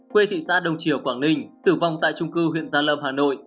quê thị xã đông triều quảng ninh tử vong tại trung cư huyện gia lâm hà nội